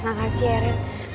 makasih ya ren